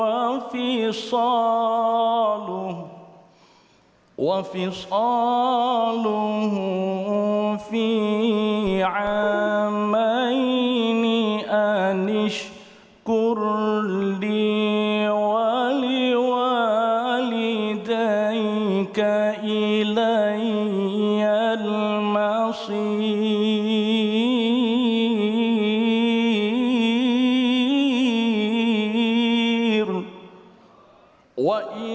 aku menangis seorang diri